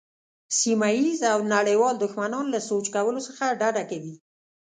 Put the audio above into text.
سیمه ییز او نړیوال دښمنان له سوچ کولو څخه ډډه کوي.